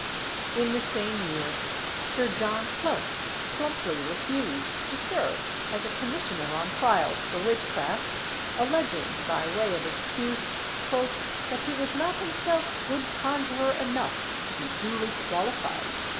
In the same year, Sir John Clerk plumply refused to serve as a commissioner on trials for witchcraft, alleging, by way of excuse, "that he was not himself good conjuror enough to be duly qualified."